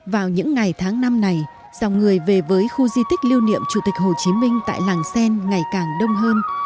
vào những ngày tháng năm này dòng người về với khu di tích lưu niệm chủ tịch hồ chí minh tại làng sen ngày càng đông hơn